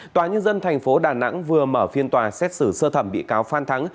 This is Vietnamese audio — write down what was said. tòa nhân dân thành phố đà nẵng vừa mở phiên tòa xét xử sơ thẩm bị cáo phan thắng